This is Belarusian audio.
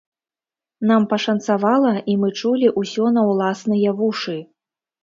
Нам пашанцавала і мы чулі ўсё на ўласныя вушы.